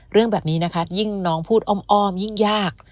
เรื่องแบบนี้นะคะยิ่งน้องพูดอ้อมยิ่งยาก